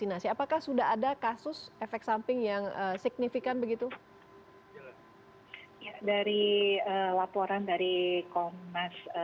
apakah sudah ada kasus efek samping yang signifikan begitu dari laporan dari komnas